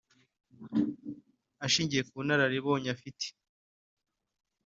Ashingiye ku bunararibonye afite